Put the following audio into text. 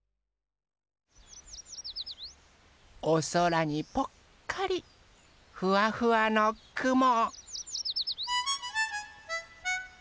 おそらにぽっかりふわふわのくも。